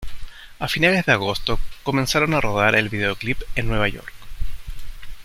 A finales de agosto comenzaron a rodar el videoclip en Nueva York.